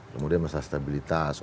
kemudian masalah stabilitas